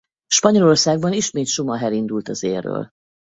Spanyolországban ismét Schumacher indult az élről.